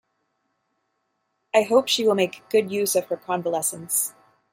I hope she will make good use of her convalescence.